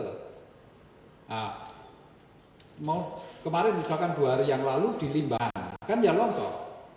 nah kemarin misalkan dua hari yang lalu di limbang kan ya longsor